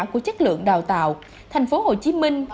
của chất lượng đào tạo thành phố hồ chí minh